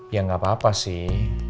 ya nggak apa apa sih